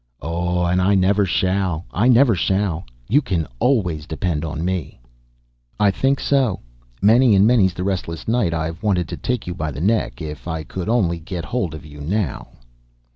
"Oh, and I never shall, I never shall. You can always depend on me." "I think so. Many and many's the restless night I've wanted to take you by the neck. If I could only get hold of you now!"